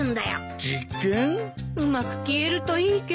うまく消えるといいけど。